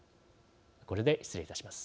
これで失礼いたします。